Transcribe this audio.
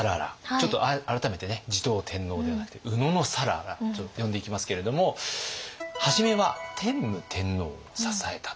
ちょっと改めてね持統天皇ではなくて野讃良と呼んでいきますけれども初めは天武天皇を支えたと。